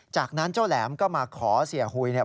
จากนั้นเจ้าแหลมก็มาขอเสียหุยเนี่ย